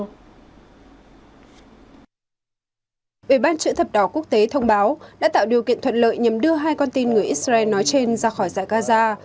ủy ban chữ thập đỏ quốc tế thông báo đã tạo điều kiện thuận lợi nhằm đưa hai con tin người israel nói trên ra khỏi giải gaza